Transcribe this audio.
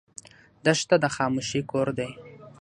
دښته د خاموشۍ کور دی.